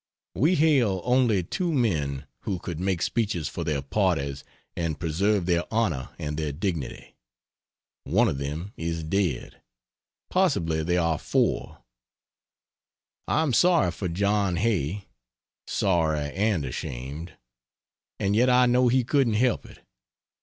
We hail only two men who could make speeches for their parties and preserve their honor and their dignity. One of them is dead. Possibly there were four. I am sorry for John Hay; sorry and ashamed. And yet I know he couldn't help it.